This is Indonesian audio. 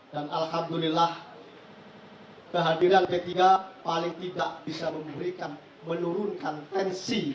dan alhamdulillah kehadiran b tiga paling tidak bisa memberikan menurunkan tensi